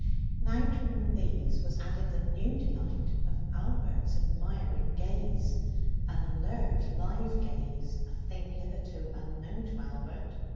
Now to all these was added the new delight of Albert's admiring gaze an alert, live gaze, a thing hitherto unknown to Albert.